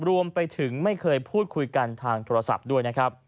รวมไปถึงไม่เคยพูดคุยกันทางโทรศัพท์ด้วยนะครับ